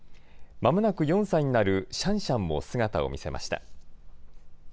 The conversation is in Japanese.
まもなく４歳になるシャンシャンも姿を見せました。